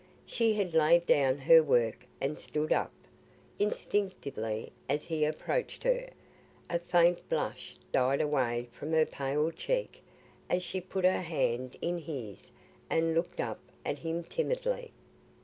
She had laid down her work and stood up, instinctively, as he approached her. A faint blush died away from her pale cheek as she put her hand in his and looked up at him timidly.